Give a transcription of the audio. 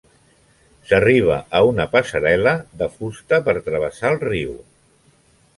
S'arriba a una passarel·la de fusta per travessar el riu.